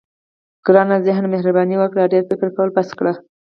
ګرانه ذهنه مهرباني وکړه دا ډېر فکر کول بس کړه.